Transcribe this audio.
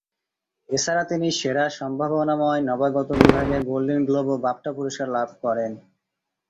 এছাড়া তিনি সেরা সম্ভাবনাময় নবাগত বিভাগে গোল্ডেন গ্লোব ও বাফটা পুরস্কার লাভ করেন।